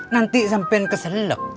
nanti sampe keselak